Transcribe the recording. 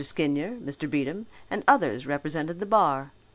Skinyer, Mr. Beatem and others represented the bar.